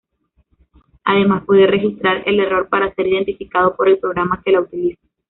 Además puede registrar el error para ser identificado por el programa que la utiliza.